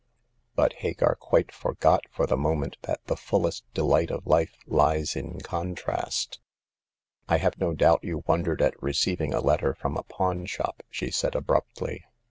But Hagar quite forgot for the moment that the fullest delight of life lies in contrast. " I have no doubt you wondered at receiving a letter from a pawn shop," she said, abruptly.